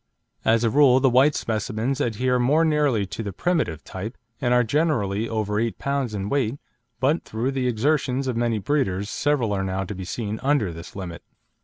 As a rule the white specimens adhere more nearly to the primitive type, and are generally over 8 lb. in weight, but through the exertions of many breeders, several are now to be seen under this limit.